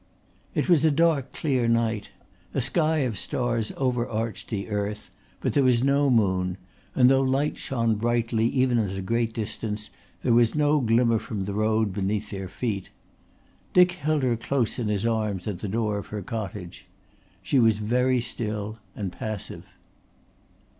It was a dark clear night; a sky of stars overarched the earth, but there was no moon, and though lights shone brightly even at a great distance there was no glimmer from the road beneath their feet. Dick held her close in his arms at the door of her cottage. She was very still and passive.